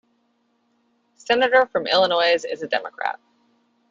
Senator from Illinois as a Democrat.